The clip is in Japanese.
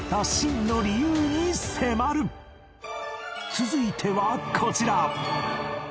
続いてはこちら